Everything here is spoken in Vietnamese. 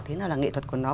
thế nào là nghệ thuật của nó